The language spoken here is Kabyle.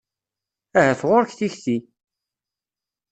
Ahat ɣuṛ-k tikti?